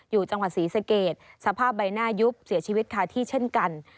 อยู่จังหวัดศรีสะเกดสภาพใบหน้ายุบเสียชีวิตคาที่เช่นกัน